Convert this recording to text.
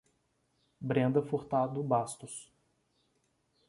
Brenda Furtado Bastos